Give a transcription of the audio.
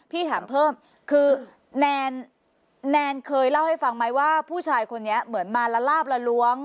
พี่ถามเพิ่มคือแนนเคยเล่าให้ฟังไหมว่าผู้ชายคนนี้เหมือนมาละลาบละล้วง